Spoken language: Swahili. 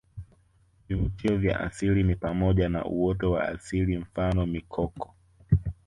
Vivutio vya asili ni pamoja na uoto wa asili mfano mikoko